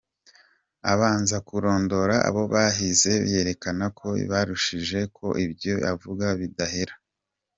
Abanza kurondora abo bahize, yerekana ko yabarushije, ko, ibyo avuga bidahera.